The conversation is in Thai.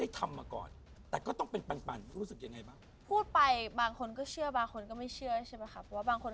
แต่ก็ต้องเป็นปั่นรู้สึกยังไงบ้าง